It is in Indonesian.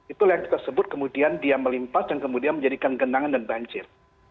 itulah yang kita sebut kemudian dia melimpas dan kemudian menjadikan genangan dan banjir